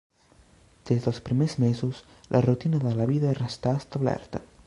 Des dels primers mesos la rutina de la vida restà establerta.